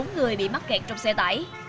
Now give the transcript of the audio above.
bốn người bị mắc kẹt trong xe tải